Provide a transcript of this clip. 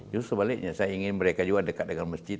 justru sebaliknya saya ingin mereka juga dekat dengan masjid